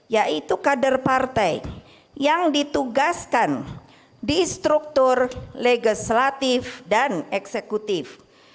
yaitu kader partai yang ditugaskan di struktur legislatif dan eksekutif